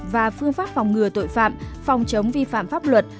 và phương pháp phòng ngừa tội phạm phòng chống vi phạm pháp luật